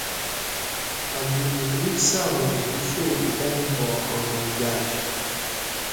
عبدالمطلب صاباۤں دُو سو اُٹاۤن پا آمہ گاۤش